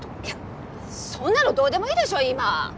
いやそんなのどうでもいいでしょ今！